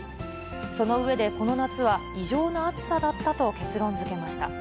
その上で、この夏は、異常な暑さだったと結論づけました。